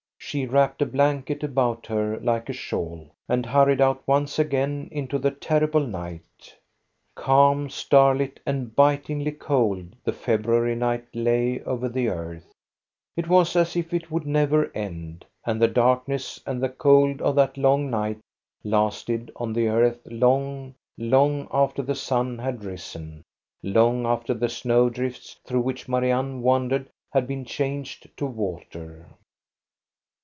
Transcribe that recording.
She wrapped a blanket about her like a shawl, and hurried out once again into the terrible night. Calm, starlit, and bitingly cold the February night lay over the earth ; it was as if it would never end. And the darkness and the cold of that long night lasted on the earth long, long after the sun had risen, long after the snow drifts through which Marianne wandered had been changed to water.